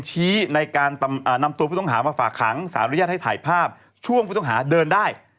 ในการนำตัวผู้ต้องหามาฝากขังสารอนุญาตให้ถ่ายภาพช่วงผู้ต้องหาเดินได้